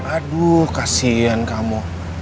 aduh kasian kamu